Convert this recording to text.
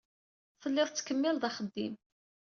Tellid tettkemmiled axeddim.